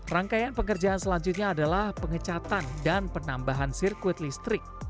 rangkaian pengerjaan selanjutnya adalah pengecatan dan penambahan sirkuit listrik